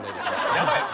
やばい！